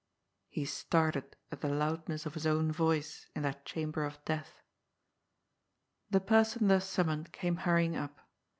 He started at the loudness of his own Toice in that chamber of death. The person thus summoned came hurrying up.